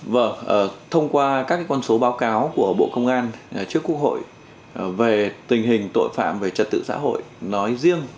vâng thông qua các con số báo cáo của bộ công an trước quốc hội về tình hình tội phạm về trật tự xã hội nói riêng